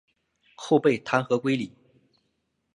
后被弹劾归里。